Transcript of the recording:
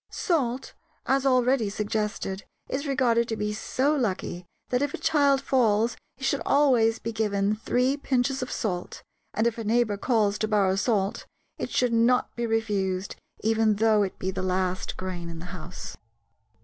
Salt, as already suggested, is regarded to be so lucky that if a child falls, it should always be given three pinches of salt, and if a neighbor calls to borrow salt, it should not be refused, even though it be the last grain in the house.